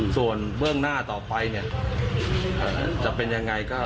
ส่วนเบื้องหน้าต่อไปจะเป็นอย่างไร